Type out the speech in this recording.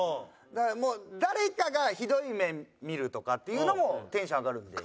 だからもう誰かがひどい目見るとかっていうのもテンション上がるんで。